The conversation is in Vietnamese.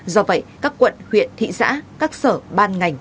do vậy các quận huyện thị xã các sở ban ngành